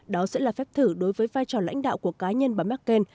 đó sẽ là phép thử đối với vai trò lãnh đạo của cá nhân bà merkel